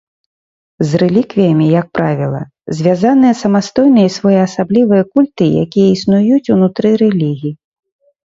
З рэліквіямі, як правіла, звязаныя самастойныя і своеасаблівыя культы, якія існуюць унутры рэлігій.